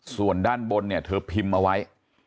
ส่วนด้านบนเนี่ยเธอพิมพ์เอาไว้